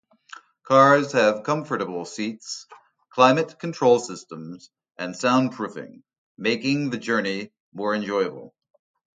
Cars have comfortable seats, climate control systems, and soundproofing, making the journey more enjoyable.